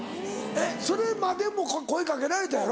えっそれまでも声掛けられたやろ？